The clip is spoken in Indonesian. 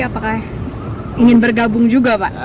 apakah ingin bergabung juga pak